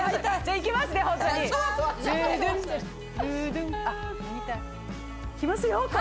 いきますよ、顔。